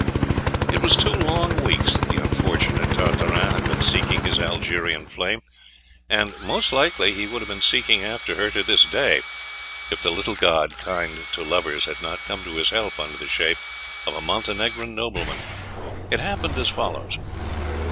IT was two long weeks that the unfortunate Tartarin had been seeking his Algerian flame, and most likely he would have been seeking after her to this day if the little god kind to lovers had not come to his help under the shape of a Montenegrin nobleman. It happened as follows.